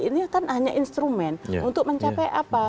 ini kan hanya instrumen untuk mencapai apa